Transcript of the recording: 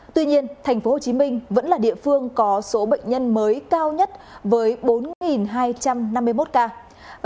tuy nhiên tp hcm vẫn là địa phương có số bệnh nhân mới cao nhất với bốn hai trăm năm mươi một ca